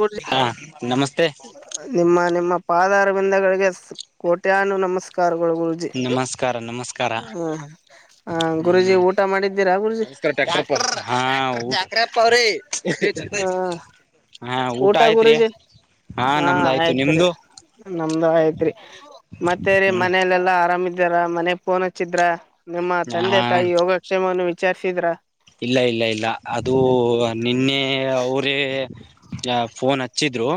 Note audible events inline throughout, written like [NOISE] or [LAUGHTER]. ಡ ಹಾ ನಮಸ್ತೆ ನಿಮ್ಮ ನಿಮ್ಮ. ಪಾದಾರ ಬಿಂದಗಳಿಗೆ ಕೋಟ್ಯಾನು ನಮಸ್ಕಾರ. ಗುರುಜಿ ನಮಸ್ಕಾರ ನಮಸ್ಕಾರ ಹ ಹ ಗುರುಜಿ ಊಟ ಮಾಡಿದ್ದೀರಾ ಗುರುಜಿ. ಹಕ್ರ. ಹ ಹಾ ಊಟ ಆಯ್ತ್ರಿ ಹಾ ನಮ್ದ ಆಯ್ತು ನಿಮ್ದು. ನಮ್ದು ಆಯ್ತ್ರಿ ಮತ್ತೇ ರೀ ಹ್ಮ್ ಮನಲೆೆಲ್ಲಾ ಆರಾಮಿದ. ಇದಾರ ಮನೆಗ್ ಫೋನ್ ಹಚ್ಚಿದ್ರ ನಿಮ್ಮ ತಂದೆ ಹ ತಾಯಿ ಯೋಗಕ್ಷೇಮವನ್ನು ವಿಚಾರಿಸಿದ್ರ. ಇಲ್ಲ ಇಲ್ಲ ಇಲ್ಲ ಅದು ನಿನ್ನೆ ಅವರೇ ಫೋನ್ ಹಚ್ಚ. ಹಚ್ಚಿದ್ರು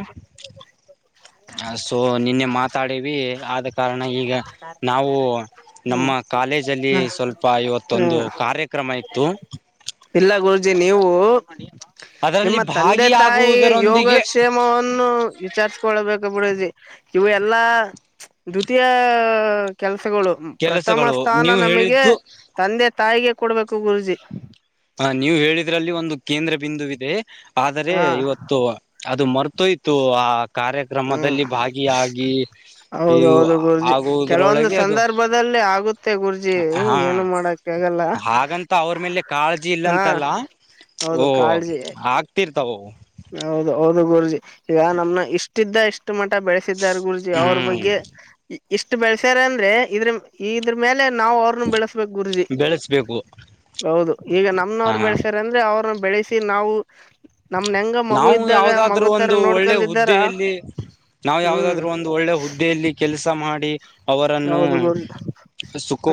ಸೊ ನಿನ್ನೆ ಮಾತಾಡವಿ. ಆದ ಕಾರಣ ಈಗ ನಾವು ಹ್ಮ್ ನಮ್ಮ ಕಾಲೇಜ ಅಲ್ಲಿ ಸ್ವಲ್ಪ ಇವತ್ತೊಂದು. ಹ್ಮ್ ಕಾರ್ಯಕ್ರಮ ಇತ್ತು. ಇಲ್ಲ ಗುರುಜಿ ನೀವು. ಅದರಲ್ಲಿ ನಿಮ್ಮ ತಂದೆ ತಾಯಿ ಭಾಗಿಯಾಗುವುದರೊಂದಿಗೆ ಯೋಗಕ್ಷೇಮವನ್ನು. ವಿಚಾರ್ಸ್ಕೊಳ್ಬೇಕ ಬಿಡಿ ಇವು ಎಲ್ಲಾ ದ್ವಿತೀಯ ಕೆಲ್ಸ. ಗಳು ಪ್ರಥಮ ಕೆಲಸಗಳು ಸ್ಥಾನ ನೀವು ನಮಗೆ ಹೇಳಿದ್ದು ತಂದೆ ತಾಯಿಗೆ ಕೊಡ್ಬೇಕು ಗುರುಜಿ. ಹ ನೀವು ಹೇಳಿದ್ರಲ್ಲಿ ಒಂದು ಕೇಂದ್ರ ಬಿಂದುವ ಇಿದೆ ಆದರೆ ಹಾ ಇವತ್ತು. ಅದು ಮರ್ತೋಯ್ತು ಆ ಹ್ಮ್ ಕಾರ್ಯಕ್ರಮದಲ್ಲಿ ಭಾಗಿಯಾಗಿ. ಇವು ಹೌದೌದು ಗುರ್ಜಿ ಕೆಲವೊಂದು ಆಗುವುದರೊಳಗೆ ಅದು ಸಂದರ್ಭದಲ್ಲಿ ಆಗುತ್ತೆ ಗುರ್ಜಿ ಹಾ ಏನು ಮಾಡಕಾಗ. ಹಾಗಂತ ಅವ್ರ ಮೇಲೆ ಕಾಳಜಿ ಹಾ ಇಲ್ಲಂತೆಲ್ಲ ಓ ಹೌದು ಕಾಳಜಿ ಆಗ್ತಿರ್ತ. ಹೌದು ಹೌದು ಗುರುಜಿ ಈಗ ನಮ್ನ ಇಷ್ಟಿದ್ದ ಇಷ್ಟ. ಎಷ್ಟು ಮಠ ಬೆಳೆಸಿದ್ದಾರೆ ಗುರುಜಿ ಅವ್ರ ಹ್ಮ್ ಬಗ್ಗೆ. ಇಷ್ಟು ಬೆಳಸ್ಯಾರ ಅಂದ್ರೆ ಇದ್ರ ಇದ್ರ ಮೇಲೆ ನಾವವು ಅವ್ರನು ಬೆಳೆಸ್ಬೇಕಕ್ ಗುರುಜಿ. ಬೆಳೆಸ್ಬೇಕು ಹೌದು ಈಗ ಹ ನಮನವ್ರು ಬೆಳೆಸಾರ ಅಂದ್ರೆ ಅವ್ರನ್ನ ಬೆಳೆಸಿ ನಾವು. ನಮ್ನ ಹೆಂಗ ಮಗು ನಾವು ಇದ್ದಾಗ ಯಾವ್ದಾದ್ರೂ ಮಗು ತರ ನೋಡ್ಕೊಂಡಿದ್ದಾರ ನಾವ್ ಹ್ಮ್ ಯಾವದಾದ್ರು ಒಂದು ಒಳ್ಳೆ ಹುದ್ದೆಯಲ್ಲಿ ಕೆಲ್ಸ ಮಾಡಿ. ಅವರನ್ನು ಹೌದು ಗುರೂಜಿ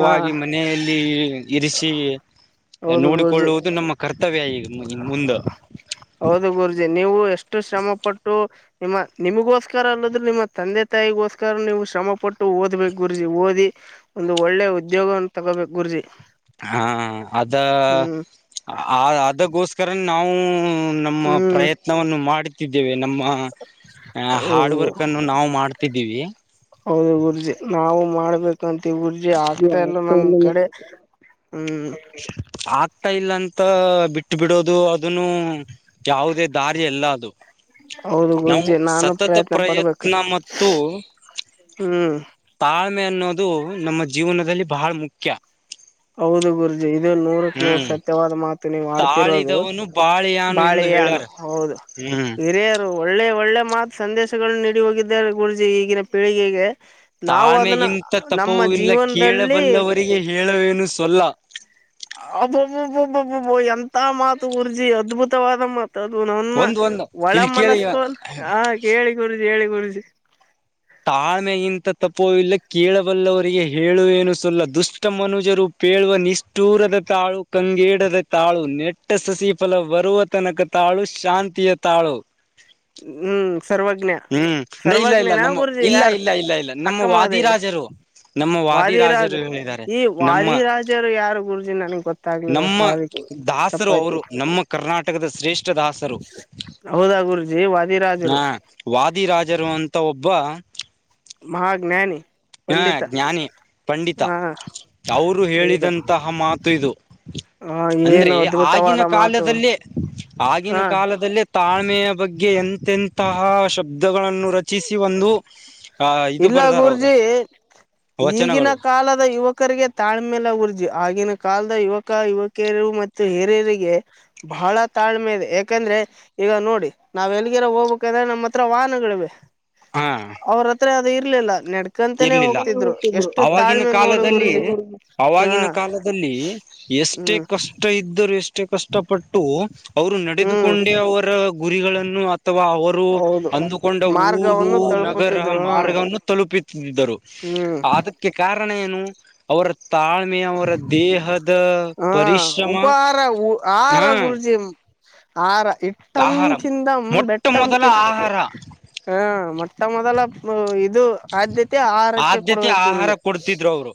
ಹಾ ಮನೆಯಲ್ಲಿ ಇರಿಸಿ. ಹೌದು ಗುರೂಜಿ ನೋಡಿಕೊಳ್ಳುವುದು ನಮ್ಮ ಕರ್ತವ್ಯ ಈಗ ಮುಂದ. ಹೌದು ಗುರುಜಿ. ನೀವು ಎಷ್ಟು ಶ್ರಮ ಪಟ್ಟು ನಿಮ್ಮ ನಿಮಗೋಸ್ಕರ ಅಲ್ಲದ್ರೂ ನಿಮ್ಮ ತಂದೆ ತಾಯಿಗೋಸ್ಕರ ನೀವು ಶ್ರ. ಶ್ರಮ ಪಟ್ಟು ಓದ್ಬೇಕು ಗುರ್ಜಿ ಓದಿ ಒಂದು ಒಳ್ಳೆ ಉದ್ಯೋಗವನ್ನು ತಗೋಬೇಕು ರೀ. ಹಾ ಅದ ಅದಗೋಸ್ಕರ ನಾವು. ನಮ್ಮ ಹ್ಮ್ ಪ್ರಯತ್ನವನ್ನು ಮಾಡುತ್ತಿದ್ದೇವೆ ನಮ್ಮ ಹೌದು ಹಾರ್ಡ್ ವರ್ಕ್ ಅನ್ನು ನಾವು ಮಾಡ. ಟ್ಟಿದ್ದೀವಿ. ಹೌದು ಗುರ್ಜಿ ನಾವು ಮಾಡ್ಬೇಕಂತ. ೂರ್ಜೆ ಆಗ್ತಾ ಇಲ್ಲ ನಮ್ ಕಡೆ ಹ್ಮ್. ಟ ಇಲ್ಲಾಂತ ಬಿಟ್ಟು ಬಿಡೋದು ಅದನು ಯಾವುದೇ ದಾರಿ ಎಲ್ಲ ಅದು. ಹೌದು ನಾವು ಗುರುಜಿ ನಾನು ಸತತ ಪಡ್ಬೇಕು ಪ್ರಯತ್ನ ಮತ್ತು. ಹ್ಮ್. ಮ್ಮೆ ಅನ್ನೋದು ನಮ್ಮ ಜೀವನದಲ್ಲಿ ಬಹಳ ಮುಖ್ಯ. ಹೌದು ಗುರುಜಿ ಇದು ನೂರಕ್ ನೂರ್ ಹ್ಮ್ ಸತ್ಯವಾದ ಮಾತು ನೀವು ಆಡ್ತಿರೋದು. ತಾಳಿದವನು ಬಾಳಿಯಾನು ಎಂದು ಬಾಳೆಯಾನು ಹೇಳ್ಯಾರ ಹೌದು ಹ್ಮ್ ಹಿರಿಯರು ಒಳ್ಳೆ ಒಳ್ಳೆ. ಮಾತ್ ಸಂದೇಶಗಳು ನೀಡಿ ಹೋಗಿದ್ದಾರೆ ಗುರುಜಿ ಈಗಿನ ಪೀಳಿಗೆಗೆ. ನಾವು ಅದನ್ನ ತಾ್ಮೆಗಿಂತ ನಮ್ಮ ತಪವೂ ಇಲ್ಲ ಜೀವನದಲ್ಲಿ ಕೇಳಬಲ್ಲವರಿಗೆ ಹೇಳ. ವನು ಸಲ್ಲ [UNINTELLIGIBLE] ಬ್ಬೊಬ್ಬಬ ಎಂತ ಮಾತು ಗುರ್ಜಿ ಅದ್ಭುತವಾದ. ಮದು ನನ್ನ ಒಂದ್ ಒಂದು ಒಳ ಇಲ್ಲಿ ಕೇಳಿ ಮನಸ್ಸು ಆ ಕೇಳಿ ಗುರುಜಿ ಹೇಳಿ ಗುರುಜಿ. ತಾ್ಮೆಗಿಂತ ತಪ್ಪೋ ಇಿಲ್ಲ ಕೇಳಬಲ್ಲವರಿಗೆ ಹೇಳುವ ಏನು ಸಲ್ಲ ದುಷ್ಟ ಮನುಜರು. ಪೇಳುವ ನಿಷ್ಠೂರದ ತಾಳು ಕಂಗೇಡದ ತಾಳು ನೆಟ್ಟ ಸಸಿಫಲ ಬರುವ ತನಕ ತಾಳ. ತಾಳು ಶಾಂತಿಯ ತಾಳು. ಹ್ಮ್. ಸರ್ವಜ್ಞ ಹ್ಮ್ ಇಲ್ಲ ಸರ್ವಜ್ಞ ಇಲ್ಲ ನಾ ನಮ್ಮ ಗುರುಜಿ ಇಲ್ಲ ಯಾರು ಇಲ್ಲ ಇಲ್ಲ ಇಲ್ಲ ನಮ್ಮ ಅಕ್ಕ ಮಹಾದೇವಿ. ವಾದಿರಾಜರು ನಮ್ಮ ವಾದಿ ರಾಜ ವಾದಿರಾಜರು ಹೇಳಿದ್ದಾರೆ ಈ ನಮ್ಮ ವಾದಿ ರಾಜರು ಯಾರ ಗುರುಜಿ ನನ್ಗ್ ಗೊತ್ತಾಗ್ಲಿಲ್ಲ ನಮ್ಮ ಸೋರಿ. ದಾಸರು ಅವರು ನಮ್ಮ ಕರ್ನಾಟಕದ ಶ್ರೇ. ಷ್ಠ ದಾಸರು ಹೌದಾ ಗುರುಜಿ ವಾದಿರಾಜರು ಹಾ. ಆದಿ ರಾಜರು ಅಂತ ಒಬ್ಬ. ಮಹ ಜ್ಞಾನಿ. ಹಾ ಜ್ಞಾನಿ. ಪಂಡಿತ ಅವರು ಹೌದು ಹೇಳಿದಂತಹ ಮಾತು ಇದು. ಹ ಅಂದ್ರೆ ಏನು ಆಗಿನ ಅದ್ಭುತವಾದ ಮಾತು ಕಾಲದಲ್ಲೇ ಆಗಿನ ಹ ಕಾಲದಲ್ಲೇ ತಾಳ್ಮೆಯ ಬಗ್ಗೆ. ಎಂತೆಂತಹ ಶಬ್ದಗಳನ್ನು ರಚಿಸಿ ಒಂದು ಆ ಇದು ಇಲ್ಲ ಬರ್ದಾರ ಅವರು. ಗುರ್ಜಿ ಈಗಿನ ವಚನಗಳು ಕಾಲದ ಯುವಕರಿಗೆ ತಾಳ್ಮೆ ಇಲ್ಲ ಗುರೂಜಿ. ಆಗಿನ ಕಾಲದ ಯುವಕ ಯುವಕಿಯರು ಮತ್ತು ಹಿರಿಯರಿಗೆ ಬಹಳ ತಾಳ್ಮೆ ಇದೆ ಯಾಕಂದ್ರೆ. ಈಗ ನೋಡಿ ನಾವ್ ಎಲ್ಲಿಗಿರ ಹೋಗ್ಬೇಕಂದ್ರೆ ನಮ್ಮ್ ಹತ್ರ ವಾಹನಗಳು ಇವೆ. ಹಾ ಅವ್ರ ಹತ್ರ ಅದ ಇರ್ಲಿಲ್ಲ. ನಡ್ಕಂತನೇ ಇರ್ಲಿಲ್ಲ ಹೋಗ್ತಿದ್ರು ಎಷ್ಟು ಅವಾಗಿನ ತಾಳ್ಮೆ ನೋಡು ಕಾಲದಲ್ಲಿ ಗುರೂಜಿ ಹಾ ಆವಾಗಿನ ಕಾಲದಲ್ಲಿ. ಎಷ್ಟೇ ಹ್ಮ್ ಕಷ್ಟ ಇದ್ದರೂ ಎಷ. ಷ್ಟ ಕಷ್ಟಪಟ್ಟು ಅವರು ಹ್ಮ್ ನಡೆದುಕೊಂಡೇ ಅವರ ಗುರಿಗಳನ್ನು ಅಥವಾ ಅವ ರು ಹೌದು ಅಂದುಕೊಂಡ ಊರು ಮಾರ್ಗವನ್ನು ನಗರ ತಲುಪುತ್ತಿದ್ರು ಹ ಮಾರ್ಗವನ್ನು ತಲುಪಿ ಇದರು ಹ್ಮ್ ಆದಕ್ಕೆ ಕಾರಣ ಏನು ಅವರ. ತಾಳ್ಮೆಯ ಅವರ ದೇಹದ ಹಾ ಪರಿಶ್ರಮ ಉಪಹಾರ ಆಹಾರ ಹಾ ಗುರೂಜಿ ಆರ ಇಟ್ಟಮ ಆಹಾರ ತಿಂದಮ ಮೊಟ್ಟ ಬೆಟ್ಟಮ ಮೊದಲ ಕಿತ್ತ ಆಹಾರ ಹ ಮತ್ತ. ಮೊಟ್ಟ ಮೊದಲ. [UNINTELLIGIBLE] ಇದು ಆದ್ಯತೆ ಆಹಾರಕ್ಕೆ ಆದ್ಯತೆ ಕೊಡಬೇಕು ಆಹಾರ ಕೊಡ್ತಿದ್ರು ಅವರು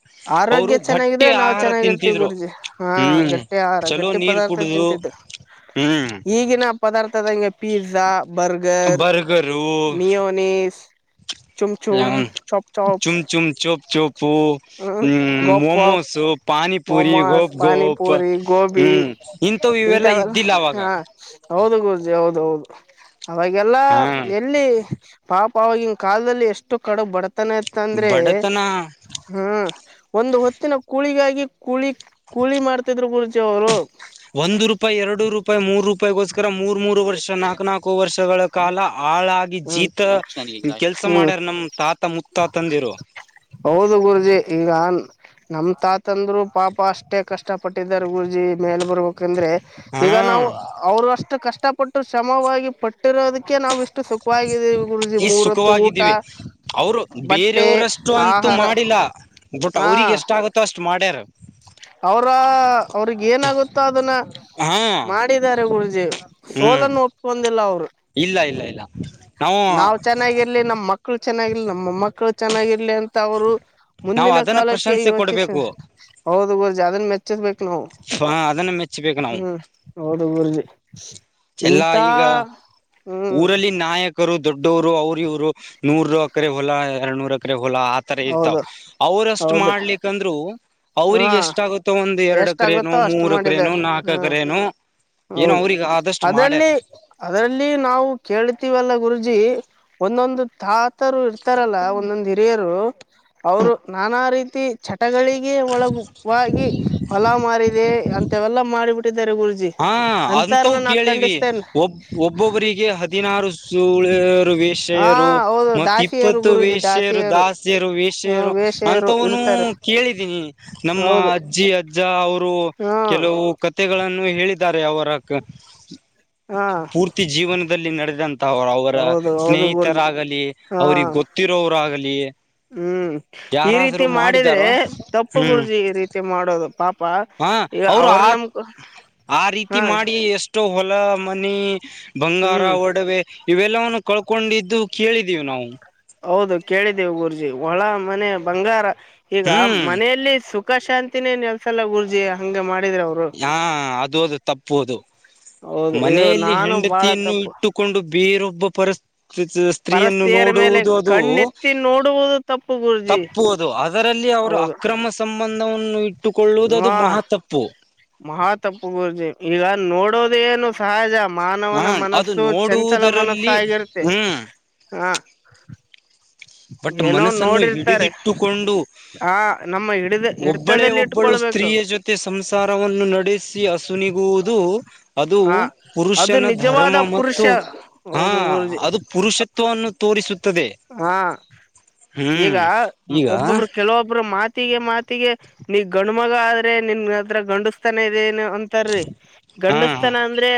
ಅವರು ಆರೋಗ್ಯ. ಗಟ್ಟಿ ಚೆನ್ನಾಗಿದ್ರೆ ನಾವ್ ಆಹಾರ ಚೆನ್ನಾಗಿರ್ತಿವಿ ತಿಂತಿದ್ರು ಗುರುಜಿ ಹಾ ಹ್ಮ್ ಗಟ್ಟಿ ಆಹಾರ ಚಲೋ ಗಟ್ಟಿ ನೀರ್ ಪದಾರ್ಥ ಕುಡುದು ತಿಂತಿದರು. ಹ್ಮ್ ಈಗಿನ ಪದಾರ್ಥದಂಗೆ ಪೀಜಾ. Burger burger mayonnaise. ಚೋಮ ಚೋಮ ಚಾಪ್ ಚಾಪ್ ಚುಮ್ ಚುಮ್ ಚೋಪ್ ಚೋಪು ಹ್ಮ ಹ್ಮ್ ಗೋಪ್. ಪಾಪ್ ಮೋಮೋಸು ಪಾನಿಪುರಿ ಮೊಮೋಸ್ ಗೋಪ್ ಗೋಪ್ ಪಾನಿಪುರಿ ಗೋಬಿ ಹ್ಮ್ ಇಂಥವು ಇವೆಲ್ಲ ಇಂಥವ. ಇದ್ದಿಲ್ಲ ಅವಾಗ ಹಾ ಹೌದು ಗುರೂಜಿ ಹೌದು ಅವಾಗೆಲ್ಲ ಹಾ ಎಲ್ಲಿ. ಪಾಪ ಅವವಾಗಿನ್ ಕಲ್ದಲ್ಲಿ ಎಷ್ಟು ಕಡು ಬಡ್ತಾನ ಇಂತ ಅಂದ್ರೆ ಬಡತನ ಹ್ಮ. ಒಂದು ಹೊತ್ತಿನ ಕೂಳಿಗಾಗಿ ಕೂಳಿ ಕೂಳಿ ಮಾಡ್ತಿದ್ರು ಗುರುಜಿ ಅವರು. ಒಂದು ರೂಪಾಯಿ ಎರಡು ರೂಪಾಯಿ ಮೂರು ರೂಪಾಯಿಗೋಸ್ಕರ ಮೂರ. ಮೂರ್ ಮೂರು ವರ್ಷ ನಾಕು ನಾಲ್ಕು ವರ್ಷಗಳ ಕಾಲ ಆಳಾಗಿ ಹ್ಮ್ ಜೀತ ಕೆಲ್ಸ ಹ್ಮ್ ಮಾಡ್ಯಾರ ನಮ. ತಾತ ಮುತ್ತ ತಾತ ತಂದಿರು. ಹೌದು ಗುರುಜಿ ಈಗನ್. ನಮ್ ತಾತ ಅಂದ್ರು ಪಾಪ ಅಷ್ಟೇ ಕಷ್ಟ ಪಟ್ಟಿದರೆ ಗುರೂಜಿ ಮೇಲ್ ಬರ್ಬೇಕಂದ್ರೆ. ಹಾ ಈಗ ನಾವು ಅವರು ಅಷ್ಟು ಕಷ್ಟಪಟ್ಟು ಶ್ರಮವಾಗಿ ಪಟ್ಟಿರೋದಕ್ಕೆ ನಾವ ಇಷ್ಟ. ಷ್ಟು ಸುಖವಿದ್ದ ಗುರುಜಿ ಈ ಮೂರತ್ತು ಊಟ ಸುಖವಾಗಿದ್ದೀವಿ ಅವರು ಬಟ್ಟೆ ಆಹಾರ. [UNINTELLIGIBLE] ಬಟ್ಟ ಹಾ ಅವ್ರಿಗೆ ಎಷ್ಟ ಆಗುತ್ತೋ ಅಷ್ಟ್ ಮಾಡ್ಯಾರ. ಅವ್ರ ಅವ್ರಗ್ ಏನಾಗುತ್ತೋ ಅದನ್ನ ಹಾ ಮಾಡಿದಿದ್ದಾರೆ ಗುರೂಜಿ. ಹ್ಮ್ ಸೋಲನ್ನು ಒಟ್ಕೊಂಡಿಲ್ಲ ಅವರು ಇಲ್ಲ ಇಲ್ಲ ಇಲ್ಲ ನಾವು ನಾವ್ ಚೆನ್ನಾಗಿರ್ಲಿ ನಮ್ಮ ಮಕ್. ಳ ಚೆನ್ನಾಗಿಲ್ಲ ನಮ್ಮ ಮೊಮ್ಮಕ್ಕಳ. ಚೆನ್ನಾಗಿರ್ಲಿ ಅಂತ ಅವರು ನಾವು ಮುಂದಿನ ಅದನ್ನ ಕಾಲಕ್ಕೆ ಪ್ರಶಂಸೆ ಯೋಚಿಸ ಕೊಡ್ಬೇಕು ಹೌದು ಗುರೂಜಿ ಅದನ ಮೆಚ [UNINTELLIGIBLE] ರ್ಬೇಕು ನಾವು ಅದನ್ನ ಮೆಚ್ಚಬೇಕು ನಾವು ಹ್ಮ್ ಹೌದು ಗುರೂಜಿ. ಎಲ್ಲಾ ಇಂತಾ. ಈಗ ಊರಲ್ಲಿ ನಾಯಕರು ದೊಡ್ಡವ್ರು ಅವರು ಇವ್ರು ನೂರ್ ಅಕರೆ ಹೊಲ ಎರಡ್ ನೂರ ಅಕರೆ. ಹೊಲಾ ಆತರ ಇರ್ತಾವ ಹೌದು ಅವ್ರಷ್ಟ್ ಹೌದು ಮಾಡ್ಲಿಕ್ಕಂದ್ರು. ಹಾ ಅವ್ರಿಗೆ ಎಷ್ಟ ಆಾಗುತ್ತೋ ಒಂದು ಎರಡು ಕ್ರೇನು ಎಷ್ಟಾಗುತ್ತೋ ಅಷ್ಟು ಮೂರು ಕ್ರೇನು ಮಾಡಿದಾರೆ ಹ್ಮ್ ನಾಲ್ಕುಕ್ರೇನು ಹೌದು ಅದರಲ್ಲಿ ಅದರಲ್ಲಿ ನಾವು ಕೇಳ್ತಿೀವಲ್ಲ ಗುರುಜಿ ಒಂದೊಂದು ತಾತರು ಇರ್ತಾರಲ್ಲ ಒಂದೊಂದು ಹಿರಿಯರು ಅವರು ನಾನಾ ರೀತಿ ಚಟಗಳಿಗೆ ಒಳಗಾಗಿ ಫಲ ಮಾರಿದೆ ಅಂತ ಇವೆಲ್ಲ ಮಾಡಬಿಟ್ಟು ಹಾ ಅಂತವು ಕೇಳಿವಿ ಖಂಡಿಸ್ತೇನ್ ಒಬ್ಬ ಒಬ್ಬೊಬ್ಬರಿಗೆ ಹದಿನಾರು ಸುಳು ಹಾ ವೇಷೆಯರು ಹೌದು ಮ ದಾಸಿಯರು ಇಪ್ಪತ್ತು ಗುರೂಜಿ ವೇಷ್ಯರು ದಾಸಿಯರು ಹ ವೇಷೆಯರು ವೇಷೆಯರು ಅಂತವನು ಇರ್ತಾರೆ ಕೇಳಿದೀನಿ ನಮ್ಮ ಹೌದು ಅಜ್ಜಿ ಅಜ್ಜ ಅವರು ಹ್ಮ ಕೆಲವು ಕತೆಗಳನ್ನು ಹೇಳಿದ್ದಾರೆ ಅವರಕ್ಕ ಹಾ ಪೂರ್ತಿ ಜೀವನದಲ್ಲಿ ನಡೆದಂತ ಅವರ ಹೌದು ಹೌದು ಗುರೂಜಿ ಸ್ನೇಹಿತರಾಗಲಿ ಹಾ ಅವ್ರ ಗೊತ್ತಿರೋರು ಆಗಲಿ ಹ್ಮ್ ಈ ರೀತಿ ಮಾಡಿದ್ರೆ ತಪ್ಪು ಹ್ಮ್ ಗುರೂಜಿ ಈ ರೀತಿ ಮಾಡೋದು ಪಾಪ ಹ ಈ ಅವರು ಆ ನಮ್ಕ್ ಆ ರೀತಿ ಮಾಡಿ ಎಷ್ಟೋ ಹೊಲ ಮನೆ ಬಂಗಾರ ಹ್ಮ್ ಒಡವೆ ಇವೆಲ್ಲವನ್ನು ಕಳ್ಕೊಂಡಿದ್ದು ಕೇಳಿದೀವಿ ನಾವು ಹೌದು ಕೇಳಿದ್ದೇವು ಗುರುಜಿ ಹೊಳ ಮನೆ ಬಂಗಾರ ಈಗ ಹ್ಮ್ ಮನೆಯಲ್ಲಿ ಸುಖ ಶಾಂತಿ ೇನ್ [UNINTELLIGIBLE] ಎಲ್ಸಲ್ಲ ಗುರ್ಜಿ ಹಂಗ ಮಾಡಿ ಹಾ ಅದು ಅದು ತಪ್ಪುವುದು ಹೌದು ಇದು ಮನೆಯಲ್ಲಿ ನಾನು ಬಾಳ ಹೆಂಡತಿಯನ್ನು ತಪ್ಪು ಇಟ್ಟುಕೊಂಡು ಬೇರೊಬ್ಬ ಪರಸ್ ಸ್ತ್ರೀಯನ್ನು ಪರಸ್ತ್ರೀಯರ ಮೇಲೆ ನೋಡುವುದು ಅದು ಕಣ್ಣೆತ್ತಿ ನೋಡುವುದು ತಪ್ಪು ಗುರೂಜಿ ತಪ್ಪುವ ಅದು ಆದ ಅರಲ್ಲಿ ಅವರು ಹೌದು ಅಕ್ರಮ ಸಂಬಂಧವನ್ನು ಇಟ್ಟುಕೊಳ್ಳುವುದುದು ಮಹಾ ತಪ್ಪು ಮಹತ್ಪ್ಪು ಗುರೂಜಿ ಈಗ ನೋಡೋದ ಏನು ಸಹಜ ಹ ಮಾನವನ ಅದು ಮನಸ್ಸು ಚಂಚಲ ಮನಸ್ಸು ನೋಡುವುದರಲ್ಲಿ ಆಗಿರುತ್ತೆ ಹ್ಮ್ ಹಾ ಬಟ್ ಏನೋ ಮನಸ್ಸನ್ನು ನೋಡಿರ್ತಾರೆ ಹಿಡಿದಿಟ್ಟುಕೊಂಡು ಆ ನಮ್ಮ ಹಿಡಿದ ಒಬ್ಬಳೇ ಹಿಡ್ತದಲ್ಲಿ ಒಬ್ಬಳು ಇಟ್ಕೊಳ್ಬೇಕು ಸ್ತ್ರೀಯ ಜೊತೆ ಸಂಸಾರವನ್ನು ನಡೆ ಹಸುನಿಗುವುದು ಅದು ಹಾ ಅದು ಪುರುಷನ ಧರ್ಮ ನಿಜವಾದ ಪುರುಷ ಮತ್ತು ಹಾ ಹೌದು ಗುರೂಜಿ ಅದು ಪುರುಷತ್ವವನ್ನು ತೋರಿಸುತ್ತದೆ ಹ ಹ್ಮ್ ಈಗ ಈಗ ಒಬ್ಬೊಬ್ರು ಕೆಲವೊಬ್ರು ಮಾ ಮಾತಿಗೆ ಮಾತಿಗೆ ನೀಗ್ ಗಂಡ ಮಗ ಆದ್ರೆ ನಿನ್ ಅತ್ರ ಗಂಡಿಸ್ತಾನ ಇದೇಏನು ಒಂತರರಿ ಹಾ ಗಂಡಸ್ತನ ಅಂದ್ರೆ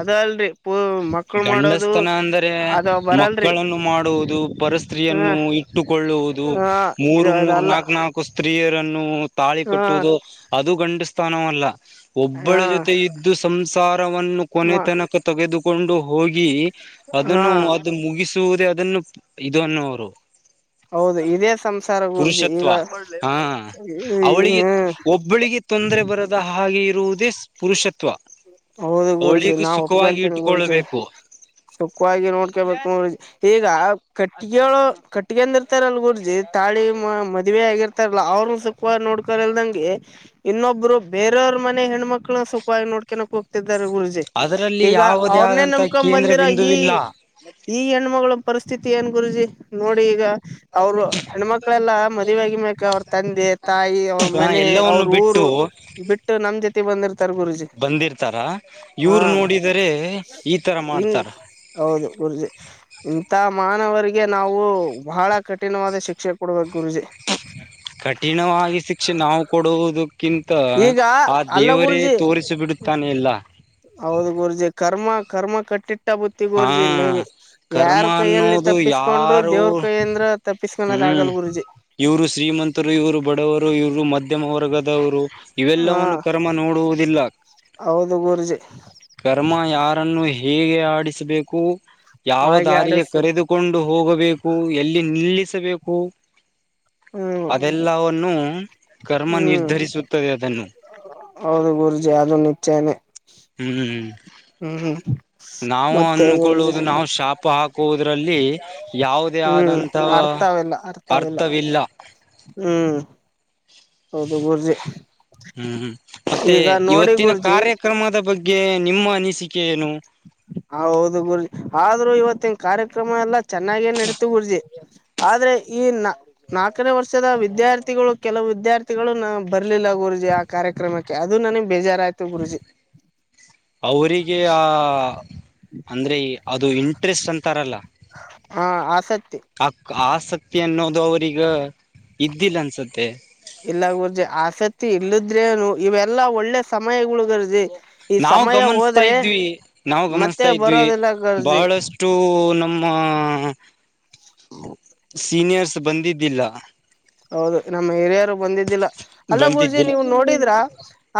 ಅದ ಅಲ್ರರಿ ಗಂಡಸ್ತನ ಅಂದರೆ ಅದ ಬರಲ್ರಿ ಮಕ್ಕಳನ್ನು ಮಾಡ ಮಾಡುವುದು ಹ್ಮ ಪರಸ್ತ್ರೀಯನ್ನು ಇಟ್ಟುಕೊಳ್ಳುವುದು ಹಾ ಇದು ಮೂರು ಮೂರು ಅದಲ್ಲ ನಾಕು ನಾಲ್ಕು ಸ್ತ್ರೀಯರನ್ನು ತಾಳಿ ಹಾ ಕಟ್ಟುದು ಅದು ಗಂಡ ಸ್ಥಾನವ ಅಲ್ಲ ಒಬ್ಬಳ ಹಾ ಜೊತೆ ಇದ್ದು ಸಾರವನ್ನು ಕೊನೆ ಮ ತನಕ ತೆಗೆದುಕೊಂಡು ಹೋಗಿ ಹಾ ಅದನ್ನು ಅದು ಮುಗಿಸುವುದೇ ಅದನ್ನು ಇದು ಅನ್ನುವರು ಹೌದು ಇದೇ ಸಂಸಾರ ಗುರುಜಿ ಪುರುಷತ್ವ ಈಗ ಹಾ ಅವಳಿಗೆ ಹ್ಮ್ ಒಬ್ಬಳಿಗೆ ತೊಂದರೆ ಬರದ ಹಾಗೆ ದ ಪುರುಷ ಹೌದು ಗುರುಜಿ ನಾ್ ಸುಖವಾಗಿ ಒಪ್ಕೊಂತೇನೆಿ ಗುರುಜಿ ಇಟ್ಟುಕೊಳ್ಳಬೇಕು ಸಖವಾಗಿ ನೋಡ್ಕೋಬೇಕು ನೋ ಈಗ ಕಟ್ಟಿಗೆಳ ಕಟ್ಟಿಗೆ ಅಂದ ಇರ್ತಾರಲ್ ಗುರ್ಜಿ ತಾಳಿ ಮದುವೆ ಆಗಿರ್ತಾರಲ್ಲ ಅವ ಅವ ಸುಖವಾಗಿ ನೋಡ್ಕಲ್ದಂಗೆ ಇನ್ನೊಬ್ರು ಬೇರವ ಮನೆ ಹೆಣ್ಮಕ್ಳ ಸುಖವಾಗಿ ನೋಡ್ ಕನೋ ಕೊತ ಗುರುಜಿ ಅದರಲ್ಲಿ ಈಗ ಯಾವುದೇ ಅವ್ರನ್ನೇ ಆದಂತ ನಂಬಕೊಂಡ್ ಕೇಂದ್ರ ಬಂದಿರ ಈ ಬಿಂದುವಿಲ್ಲ ಈ ಹೆಣ್ಮಗಳು ಪರಿಸ್ಥಿತಿ ಏನ್ ಗುರುಜಿ ನೋಡಿ ಈಗ ಅವ್ರು ಹೆಣ್ಮಕ್ಳೆಲ್ಲ ಮದುವೆಗ ಮಕ್ ಅವ್ರ ತಂದೆ ತಾಯಿ ಅವ್ರ ಹ ಮನೆ ಎಲ್ಲವನ್ನು ಅವ್ರ ಬಿಟ್ಟು ಊರು ಬಿಟ್ಟು ನಮ್ ಜೊತೆ ಬಂದಿರ್ತಾರ ಗುರುಜಿ ಬಂದಿರ್ತಾರ ಹಾ ಇವ್ರು ನೋಡಿದರೆ ಈ ತರ ಹನ್ ಮಾಡ್ತಾರ ಹೌದು ಗುರೂಜಿ ಇಂತ ಮಾನವರಿಗೆ ನಾವು ಬಹಳ ಕಠಿಣವಾದ ಶಿಕ್ಷೆ ಕೊಡಬೇಕು ಕಠಿಣವಾಗಿ ಶಿಕ್ಷೆ ನಾವು ಕೊಡುವುದು ಕ್ಕಿಂತ ಈಗ ಆ ಅಲ್ಲ ದೇವರೇ ಗುರುಜಿ ತೋರಿಸಿ ಬಿಡುತ್ತಾನೆ ಎಲ್ಲ. ಹೌದು ಗುರ್ಜೆ ಕರ್ಮ ಕರ್ಮ. ಟ್ಟ ಹಾ ಬುತ್ತಿಗೋರ್ಜಿ ನೀವ್ ಕರ್ಮ ಯಾರ್ ಕೈಯಲ್ಲಿ ಅನ್ನೋದು ತಪ್ಪಿಸಕೊಂಡ್ರು ಯಾರು ದೇವ್ರ ಕೈಯ ಅಂದ್ರ ತಪ್ಪಿಸಕೋದ. ಆಗಲ್ ಗುರುಜಿ. ಇವ್ರು ಶ್ರೀಮಂತರು ಇವರು ಬಡವರು ಇವ್ರು ಮಧ್ಯಮ ವರ್ಗದವರು. ಹಾ ಇವೆಲ್ಲವವನ್ನು ಕರ್ಮ ನೋಡುವುದಿಲ್ಲ ಹೌದು ಗುರುಜಿ ಕರ್ಮ ಯಾರನ್ನು. ಹೇಗೆ ಆಡಿಸಬೇಕು ಯಾವ ಹಾಗೆ ದಾರಿಗೆ ಆಡಸ್ ಕರೆದುಕೊಂಡು ಹೋಗ. ಎಲ್ಲಿ ನಿಲ್ಲಿಸಬೇಕು. ಹ್ಮ್ ಅದೆಲ್ಲವನ್ನುೂ ಕರ್ಮ ಹ್ಮ್ ನಿರ್ಧರಿಸುತ್ತದೆ ಅದನ್ನು. ಹೌದು ಗುರುಜಿ ಅದು ನಿಚ್ಚೇನೆೇ. ಹ್ಮ್ ನಾವು ಮತ್ತೆ ಗುರುಜಿ ಅನ್ಕೊಳ್ಳುವುದು ನಾವು ಶಾಪ ಹಾಕುವುದ್ರಲ್ಲಿ. ಲ್ಲಿ ಯಾವುದೇ ಹ್ಮ್ ಆದಂತ ಅರ್ಥವೆಲ್ಲ ಅರ್ಥವೆಲ್ಲ ಅರ್ಥವಿಲ್ಲ. ಹ್ಮ್ ಹೌದು ಗುರ್ಜಿ. ಹ್ಮ್ ಮತ್ತೆ ಈಗ ನೋಡಿ ಇವತ್ತಿನ ಗುರ್ಜಿ ಕಾರ್ಯಕ್ರಮದ ಬಗ್ಗೆ. ನಿಮ್ಮ ಅನಿಸಿಕೆ ಏನು. ಹೌದು ಗುರ್ಜಿ ಆದ್ರೂ ಇವತ್ತಿನ ಕಾರ್ಯಕ್ರಮ ಎಲ್ಲಾ ಚೆನ್ನಾಗೇ ನಡತಿ ಗುರ್ಜಿ. ಆದ್ರೆ ಈ ನಾ ನಾಲ್ಕನೇ ವರ್ಷದ ವಿದ್ಯಾರ್ಥಿಗಳು ಕೆಲವು ವಿದ್ಯಾರ್ಥಿಗಳು ನ ಬ. ಬರ್ಲಿಲ್ಲ ಗುರುಜಿ ಆ ಕಾರ್ಯಕ್ರಮಕ್ಕೆ ಅದು ನನಗ್ ಬೇಜಾರಾಯ್ತು ಗುರುಜಿ. ಅವರಿಗೆ ಆ ಅಂದರೆ ಈ. ಅದು ಇಂಟ್ರೆಸ್ಟ್ ಅಂತಾರಲ್ಲ. ಹ ಆಸಕ್ತಿ ಆಸಕ್ತಿ ಅನ್ನೋದು ಅವ್ರಗ ಇದ್ದಿಲ್ಲ ಅನ್ಸತ್ತೆ. ಇಲ್ಲ ಗೂರ್ಜಿ ಆಸಕ್ತಿ ಇಲ್ಲದ್ರೇನು ಇವೆಲ್ಲಾ ಒಳ್ಳೆ ಸಮಯಗಳಗರ್ಜಿ. ನಾವವು ಗಮನಿಸ್ತಾ ಇದ್ವಿ ನಾವು ಮತ್ತೆ ಗಮನಿಸತಾ ಇದ್ವಿ ಬರೋದಿಲ್ಲ ಗರ್ಜಿ ಬಹಳಷ್ಟು ನಮ್ಮ. ಆ ಸೀನಿಯರ್ಸ್ ಬಂದಿದ್ದಿಲ್ಲ. ಹೌದು ನಮ್ಮ ಹಿರಿಯರು ಬಂದಿದ್ದಿಲ್ಲ ಅಲ್ಲ ಗುರ್ಜಿ ಬಂದಿದ್ದಿಲ್ಲ ನೀವು ನೋಡಿದ್ರ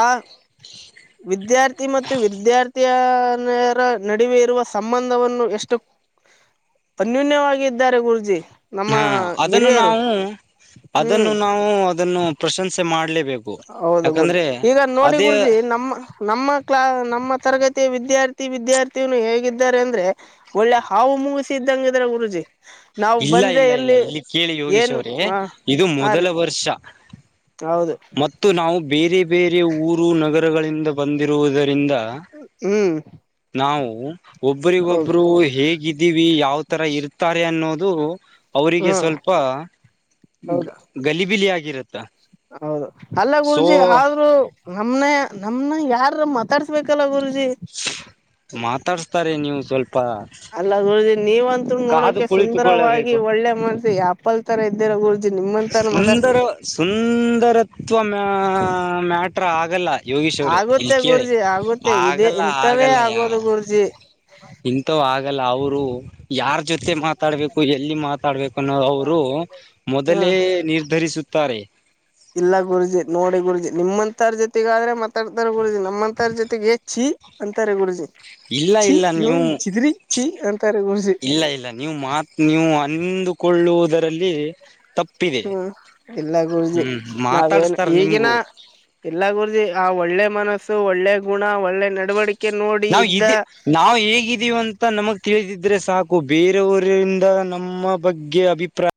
ಆ. [UNINTELLIGIBLE] ವಿದ್ಯಾರ್ಥಿ ಮತ್ತು ವಿದ್ಯಾರ್ಥಿಯರ ನಡುವೆ ಇರುವ ಸಂಬಂಧವನ್ನು ಎಷ್ಟು. ಅನ್ಯೂನ್ಯವಾಗಿದ್ದಾರೆ ಗುರುಜಿ. ನಮ್ಮ ಹಾ ಅದನ್ನು ಹಿರಿಯರು ನಾವು ಹ್ಮ್ ಅದನ್ನು ನಾವು ಅದನ್ನು ಪ್ರಶಂಸೆ ಮಾಡ್ಲೇ. ಹೌದು ಗುರ್ಜಿ ಈಗ ನೋಡಿ ಗುರುಜಿ ನಮ್ಮ ನಮ್ಮ ಕ್ಲಾ ನಮ್ಮ ತರಗತಿಿಯ ವಿದ್ಯಾರ್ಥಿ. ಪ್ರತಿ ವಿದ್ಯಾರ್ಥಿನ ಹೇಗಿದ್ದಾರೆ ಅಂದ್ರೆ ಒಳ್ಳೆ ಹಾವು ಮುಗಿಸಿ ಇದ್ದಂಗಿದ್ರ ಗುರುಜಿ. ನಾವು ಇಲ್ಲ ಬಂದ್ರೆ ಇಲ್ಲ ಇಲ್ಲ ಎಲ್ಲಿ ಇಲ್ಲಿ ಕೇಳಿ ಯೋಗೀಶ್ ಏನು ಅವ್ರೇ ಹ ಇದು ಹಾ ಮೊದಲ ರೀ ವರ್ಷ. ಹೌದು ಮತ್ತು ನಾವು ಬೇರೆ ಬೇರೆ ಊರು ನಗರಗಳಿಂದ ಬಂದಿರುವುದರಿಂದ. ಹ್ಮ್. ನಾವು ಹೌದು ಒಬರಿಗೊಬ್ಬರು ಹೇಗಿದ್ದೀವಿ ಯಾವ ತರ ಇರ್ತಾರೆ ಅನ್ನೋದು. ಅವರಿಗೆ ಹ್ಮ್ ಸ್ವಲ್ಪ ಹೌದು ಗಲಿಬಿಲಿ ಆಗ ಹೌದು ಅಲ್ಲ ಗುರುಜಿ ಆದ್ರೂ ನಮನೆ. ನಮ್ನ ಯಾರ ಮಾತಾಡ್ಸ್ಬೇಕಲ್ಲ ಗ ಮಾತಾಡ್ಸ್ತಾರೆ ನೀವು ಸ್ವಲ್ಪ. ಅಲ್ಲ ಗುರುಜಿ ನೀವಂತೂ ಕಾದು ನೋಡಕೆ ಸುಂದರವಾಗಿ ಕುಳಿತುಕೊಳ್ಳಬೇಕು ಒಳ್ಳೆ ಮಾಡ್ಸ ಆಪಲ್ ತರ ಇದ್ದಿರ ಗುರುಜಿ. ನಿಮ್ಮಂತರ ಮಾತಾ ಸುಂದರ ಸುಂದರತ್ವ ಮ ಮ್ಯಾಟ್ರ ಆಗಲ್ಲ. ಯೋಗೀಶ್ ಅವ್ರೆ ಇನ್ ಆಗುತ್ತೆ ಕೇಳಿ ಗುರುಜಿ ಆಗುತ್ತೆ ಇದೇ ಆಗಲ್ಲ ಇಂಥವೇ ಆಗಲ್ಲ ಯ. ಆಗೋದು ಗುರುಜಿ ಇಥ ಆಗಲ್ಲ ಅವರು ಯಾರ್ ಜೊತೆ. ಮೆ ಮಾತಾಡಬೇಕು ಎಲ್ಲಿ ಮಾತಾಡ್ಬೇಕು ಅನ್ನೋ ಅವರು ಹಾ ಮೊದಲೇ ನಿರ್ಧರಿಸುತ್ತ. ತ್ತಾರೆ. ಇಲ್ಲ ಗುರುಜಿ ನೋಡಿ ಗುರುಜಿ ನಿಮ್ಮಂತರ ಜೊತೆಗಾದ್ರೆ ಮಾತಾಡ್ತಾರ ಗುರುಜಿ. ನಮ್ಮಂತರ ಜೊತೆಗೆ ಹೆಚ್ಚಿ ಅಂತಾರೆ ಗುರುಜಿ. ಇಲ್ಲ ಛೀ ಇಲ್ಲ ನೀವು ಇವನ್ ಚಿದ್ರಿ ಛೀ ಅಂತಾರೆ ಗುರುಜಿ ಇಲ್ಲ ಇಲ್ಲ ನೀವು ಮಾತ್ ನೀವು. ಅಂದುಕೊಳ್ಳುವುದರಲ್ಲಿ ತಪ್ಪ. ಹ್ಮ್ ಇಲ್ಲ ಗುರುಜಿ ನಾವೇನು ಮಾತಾಡ್ಸ್ತಾರ ಈಗಿನ. ನಿಮ್ಗೂ ಎಲ್ಲ ಗುರ್ಜಿ ಆ ಒಳ್ಳೆ ಮನಸ್ಸು ಒಳ್ಳೆ ಗುಣ ಒಳ್ಳೆ ನಡವಳಿಕೆ ನೋಡಿ ನಾವ ಇದ ಇದ್ದ ನಾವ ಹೇಗಿದ್ದೀವ ಅಂತ ನಮಗ್ ತಿಳಿದಿದ್ರೆ ಸಾಕು ಬೇರೆಯವರಿಂದ ನಮ್ಮ ಬಗ್ಗೆ ಅಭಿಪ್ರಾಯ